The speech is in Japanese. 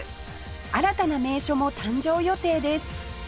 新たな名所も誕生予定です